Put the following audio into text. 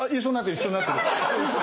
一緒になってる！